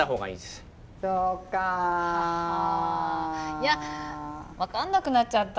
いや分かんなくなっちゃった！